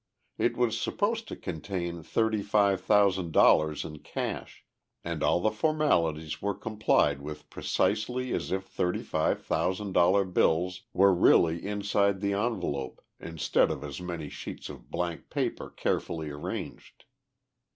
It was supposed to contain thirty five thousand dollars in cash, and all the formalities were complied with precisely as if thirty five thousand dollar bills were really inside the envelope, instead of as many sheets of blank paper carefully arranged.